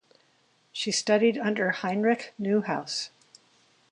She studied under Heinrich Neuhaus.